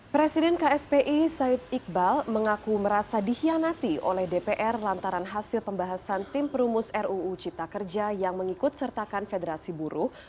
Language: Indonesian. presiden kspi said iqbal mengaku merasa dihianati oleh dpr lantaran hasil pembahasan tim perumus ruu cipta kerja yang mengikut sertakan federasi buruh